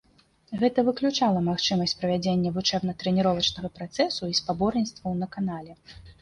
Гэта выключала магчымасць правядзення вучэбна-трэніровачнага працэсу і спаборніцтваў на канале.